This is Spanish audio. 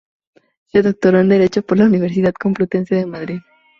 Se doctoró en Derecho por la Universidad Complutense de Madrid.